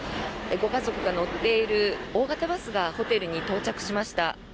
ご家族が乗っている大型バスがホテルに到着しました。